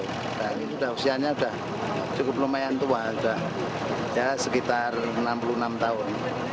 nah ini sudah usianya sudah cukup lumayan tua sudah sekitar enam puluh enam tahun